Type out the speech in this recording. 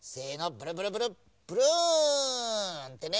ブルブルブルブルンってね。